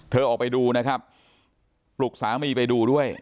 ออกไปดูนะครับปลุกสามีไปดูด้วย